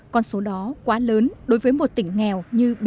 con số đó quá nhiều